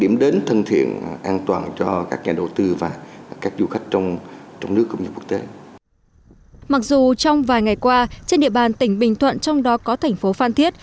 mặc dù vài ngày qua trên địa bàn tỉnh bình thuận trong đó có thành phố phan thiết